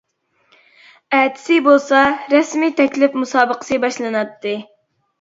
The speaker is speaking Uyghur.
ئەتىسى بولسا رەسمىي تەكلىپ مۇسابىقىسى باشلىناتتى.